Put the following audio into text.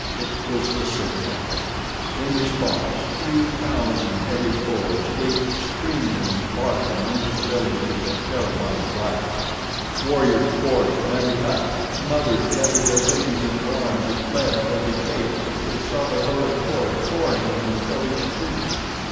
It was the signal. In response three thousand hairy bulls leaped screaming and barking into the village of the terrified blacks. Warriors poured from every hut. Mothers gathered their babies in their arms and fled toward the gates as they saw the horrid horde pouring into the village street.